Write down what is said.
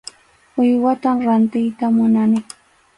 Uywatam rantiyta munani.